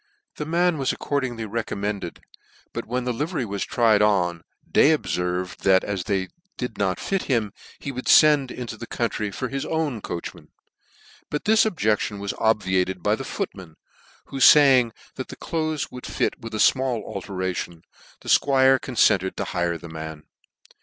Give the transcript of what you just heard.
The man was accordingly recommended, but when the livery was tried on, Day obferved thac as they did not fit him, he would fend into the country for his own coachman ; but this objec tion was obviated by the footman, who faying that the cloaths would fit with a 1mall alteration, the Squire ccnfented to hire the man.